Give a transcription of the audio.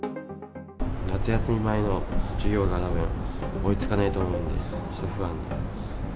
夏休み前の授業が追いつかないと思うので、ちょっと不安。